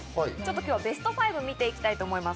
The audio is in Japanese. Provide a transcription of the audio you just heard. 今日はベスト５を見ていきたいと思います。